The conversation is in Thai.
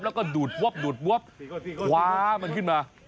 แล้วก็ดูดวับดูดวับคว้ามันขึ้นมา